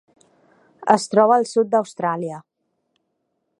Es troba al sud d'Austràlia.